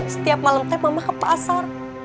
setiap malam teh mama ke pasar